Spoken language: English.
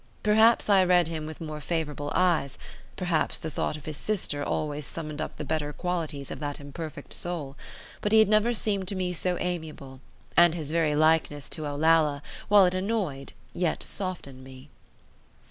Perhaps I read him with more favourable eyes, perhaps the thought of his sister always summoned up the better qualities of that imperfect soul; but he had never seemed to me so amiable, and his very likeness to Olalla, while it annoyed, yet softened me.